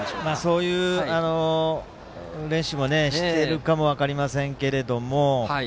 そういう練習もしているかも分かりませんけども。